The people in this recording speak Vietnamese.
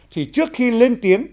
thì trước khi lên tiếng